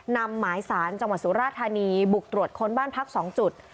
นำหมายสารจังหวัดสุราธานีบุกตรวจค้นบ้านพัก๒จุด